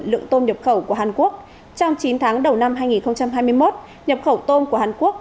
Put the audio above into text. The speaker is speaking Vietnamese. lượng tôm nhập khẩu của hàn quốc trong chín tháng đầu năm hai nghìn hai mươi một nhập khẩu tôm của hàn quốc